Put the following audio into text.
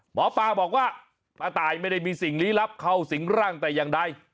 หมอปลาบอกว่าป้าตายไม่ได้มีสิ่งลี้ลับเข้าสิงร่างแต่อย่างใด